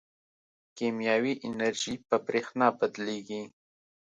کیمیاوي انرژي په برېښنا بدلېږي.